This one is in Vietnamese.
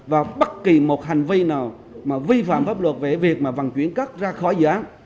và bất kỳ một hành vi nào vi phạm pháp luật về việc văn chuyển cắt ra khỏi dự án